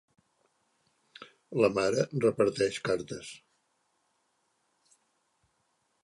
La mare reparteix cartes.